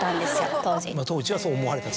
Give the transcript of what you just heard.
当時はそう思われたと。